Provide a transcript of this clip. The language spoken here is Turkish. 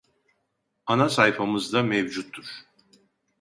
Ana sayfamızda mevcuttur